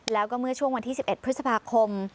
แล้วก็เมื่อช่วงวันที่๑๑พฤษภาคม